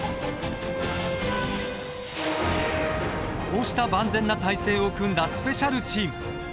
こうした万全な体制を組んだスペシャルチーム。